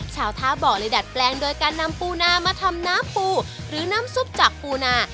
ชาวท่าบ่อเลยดัดแปลงโดยการนำปูนามาทำน้ำปูหรือน้ำซุปจากปูนา